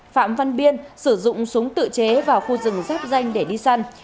phạm văn biên sử dụng súng tự chế vào khu rừng giáp danh để đi săn